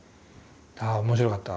ああ面白かった。